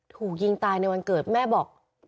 ถูกยิงตายในวันเกิดแม่บอก